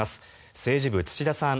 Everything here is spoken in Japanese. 政治部、土田さん